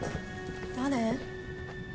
誰？